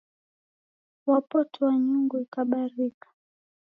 Wapotoa nyungu ikabarika